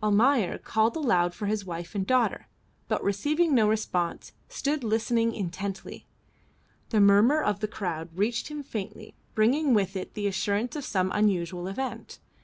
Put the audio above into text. Almayer called aloud for his wife and daughter, but receiving no response, stood listening intently. The murmur of the crowd reached him faintly, bringing with it the assurance of some unusual event.